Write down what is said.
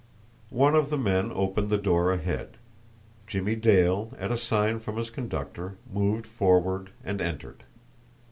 One of the men opened the door ahead. Jimmie Dale, at a sign from his conductor, moved forward and entered.